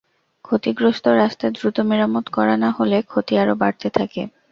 ক্ষতিগ্রস্ত রাস্তা দ্রুত মেরামত করা না হলে ক্ষতি আরও বাড়তে থাকে।